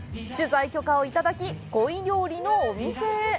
取材許可をいただき、鯉料理のお店へ。